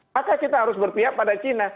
maka kita harus berpihak kepada china